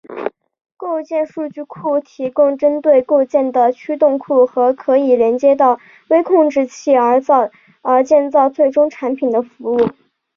构件数据库提供针对构件的驱动库和可以连接到微控制器而建造最终产品的服务。